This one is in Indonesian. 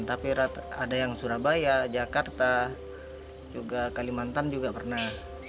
tapi ada yang surabaya jakarta juga kalimantan juga pernah